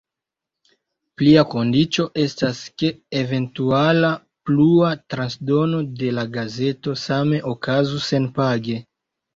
Plia kondiĉo estas, ke eventuala plua transdono de la gazeto same okazu senpage.